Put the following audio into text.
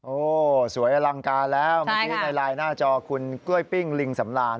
โอ้สวยอลังการแล้วในลายหน้าจอคุณกล้วยปิ้งลิงสำราญ